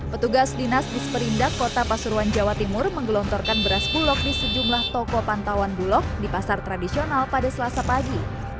petugas dinas disperindak kota pasuruan jawa timur menggelontorkan beras bulog di sejumlah toko pantauan bulog di pasar tradisional pada selasa pagi